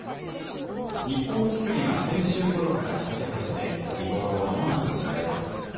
ニッコウキスゲが先週ごろから咲き始め、見頃をまもなく迎えます。